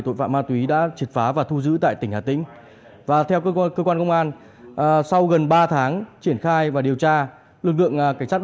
được thực hiện